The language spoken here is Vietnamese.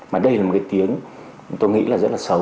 mà đây là một cái tiếng tôi nghĩ là rất là xấu